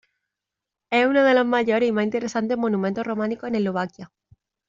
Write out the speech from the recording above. Es uno de los mayores y más interesantes monumentos románicos en Eslovaquia.